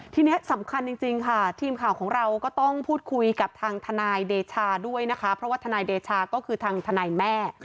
ทีนี้สำคัญจริงค่ะทีมข่าวของเราก็ต้องพูดคุยกับทางทนายเดชาด้วยนะคะเพราะว่าทนายเดชาก็คือทางทนายแม่